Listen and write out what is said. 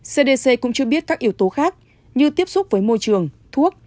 cdc cũng chưa biết các yếu tố khác như tiếp xúc với môi trường thuốc